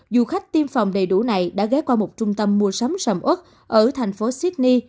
du khách tiêm phòng đầy đủ này đã ghé qua một trung tâm mua sắm sầm út ở thành phố sydney